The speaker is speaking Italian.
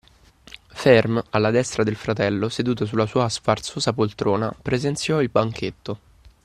Ferm, alla destra del fratello, seduto sulla sua sfarzosa poltrona, presenziò il banchetto